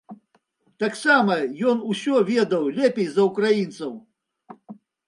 Таксама ён усё ведаў лепей за ўкраінцаў.